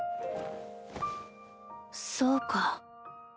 そうか。